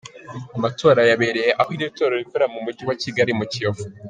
Amatora yabereye aho iri torero rikorera mu mugi wa Kigali mu Kiyovu.